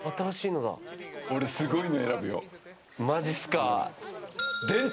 俺すごいの選ぶよ。